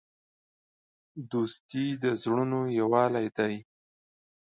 دوستي د زړونو یووالی دی.